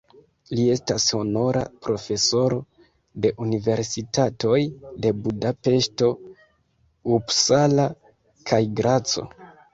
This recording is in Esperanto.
Li estas honora profesoro de universitatoj de Budapeŝto, Uppsala kaj Graco.